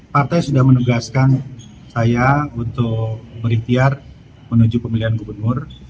partai sudah menegaskan saya untuk berikhtiar menuju pemilihan gubernur